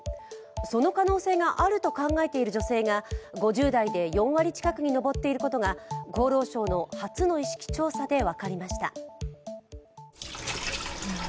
その可能性があると考えている女性が５０代で４割近くに上っていることが厚労省の初の意識調査で分かりました。